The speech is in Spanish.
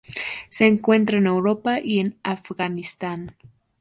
Se encuentra en Europa y en Afganistán.